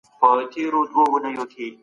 ځان به هغه ته په واک کي ورکوي.